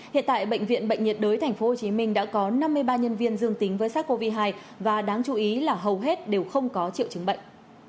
hiện tại bệnh viện bệnh nhiệt đới tp hcm đã có năm mươi ba nhân viên dương tính với sars cov hai và đáng chú ý là hầu hết đều không có triệu chứng bệnh